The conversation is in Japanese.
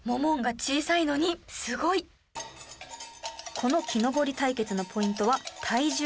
この木登り対決のポイントは体重